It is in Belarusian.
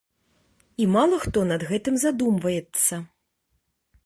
І мала хто над гэтым задумваецца.